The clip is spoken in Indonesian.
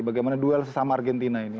bagaimana duel sesama argentina ini